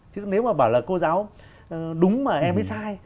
chứ nếu mà bảo là cô giáo đúng mà em biết sai